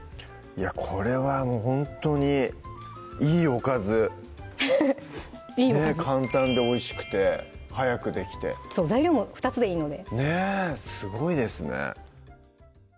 いやこれはほんとにいいおかずいいおかず簡単でおいしくて早くできて材料も２つでいいのですごいですね